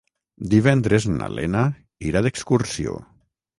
Divendres na Lena irà d'excursió.